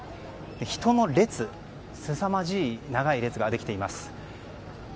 人の列、すさまじい長い列ができています。